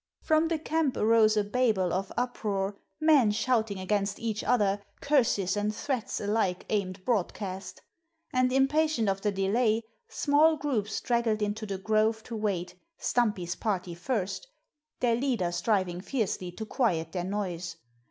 From the camp arose a babel of uproar, men shouting against each other, curses and threats alike aimed broadcast. And impatient of the delay, small groups straggled into the grove to wait, Stumpy's party first, their leader striving fiercely to quiet their noise.